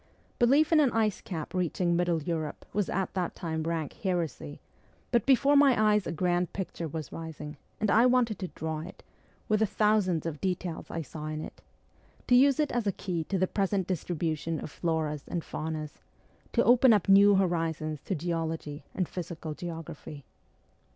Belief in an ice cap reaching Middle Europe was at that time rank heresy ; but before my eyes a grand picture was rising, and I wanted to draw it, with the thousands of details I saw in it ; to use it as a key to the present distribution of floras and faunas ; to open up new horizons to geology and physical geography.